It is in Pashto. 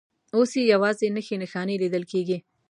اوس یې یوازې نښې نښانې لیدل کېږي.